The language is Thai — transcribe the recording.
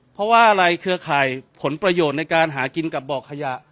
เพราะว่าอะไรเครือข่ายผลประโยชน์ในการหากินกับบ่อขยะ